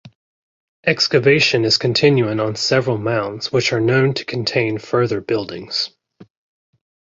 Excavation is continuing on several mounds which are known to contain further buildings.